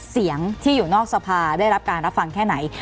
เสียงที่อยู่นอกสภาได้รับการรับฟังแค่ไหน